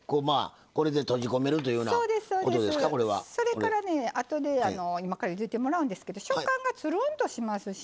それからねあとで今からゆでてもらうんですけど食感がつるんとしますし。